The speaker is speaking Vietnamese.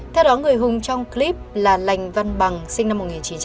theo đó người hùng trong clip là lành văn bằng sinh năm một nghìn chín trăm tám mươi năm